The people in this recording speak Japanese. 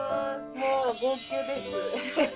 もう号泣です。